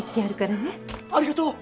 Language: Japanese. ありがとう！